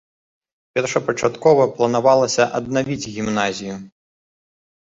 Першапачаткова планавалася аднавіць гімназію.